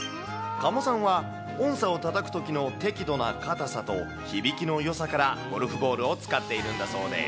加茂さんは音さをたたくときの適度な硬さと響きのよさから、ゴルフボールを使っているんだそうです。